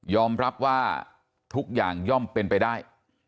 รับว่าทุกอย่างย่อมเป็นไปได้